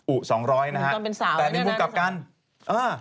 อุ่ง๒๐๐นะฮะแต่ในมุมกลับกันตอนเป็นสาวน่ะนะ